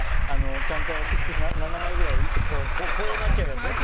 ちゃんと７枚ぐらいこうなっちゃうやつね。